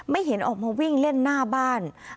เห็นออกมาวิ่งเล่นหน้าบ้าน